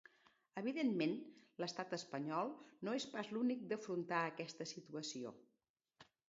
Evidentment, l’estat espanyol no és pas l’únic d’afrontar aquesta situació.